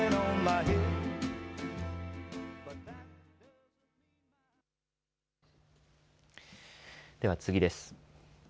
では次です。